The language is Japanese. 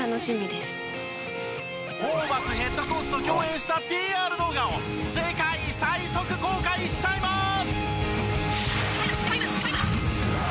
ホーバスヘッドコーチと共演したＰＲ動画を世界最速公開しちゃいまーす！